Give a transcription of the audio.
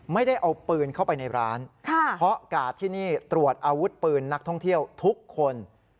ไม่ได้เอาปืนเข้าไปในร้านเพราะกาดที่นี่ตรวจอาวุธปืนนักท่องเที่ยวทุกคน